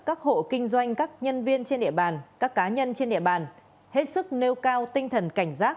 các hộ kinh doanh các nhân viên trên địa bàn các cá nhân trên địa bàn hết sức nêu cao tinh thần cảnh giác